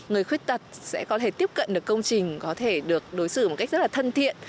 người khuyết tật sẽ có thể tiếp cận được công trình có thể được đối xử một cách rất là thân thiện